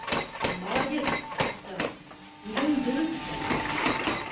— Молодец, ҡустым, һүҙең дөрөҫ икән.